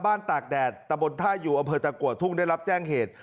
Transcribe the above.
ตากแดดตะบนท่ายูอำเภอตะกัวทุ่งได้รับแจ้งเหตุ